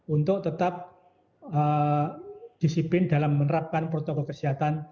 untuk tetap disiplin dalam menerapkan protokol kesehatan